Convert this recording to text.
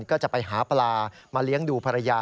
ก็จะไปหาปลามาเลี้ยงดูภรรยา